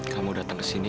kamu datang ke sini